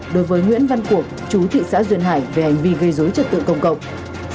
đối với nguyễn văn cuộc chú thị xã duyên hải về hành vi gây dối trật tự công cộng